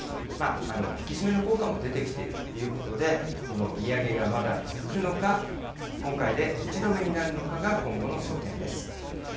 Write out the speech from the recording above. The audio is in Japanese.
引き締めの効果も出てきているということで、利上げがまだ続くのか、今回で打ち止めになるのかが今後の焦点です。